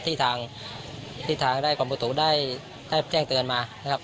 ที่ทางที่ทางได้ความปกติได้ได้แจ้งเตือนมานะครับ